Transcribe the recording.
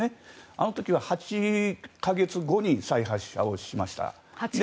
あの時は８か月後に再発射をしました。